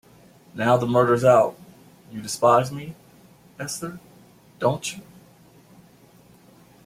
Now the murder's out; you despise me, Esther, don't you?